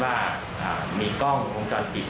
เพราะคิดว่ามีกล้องหรือโขงจอมติก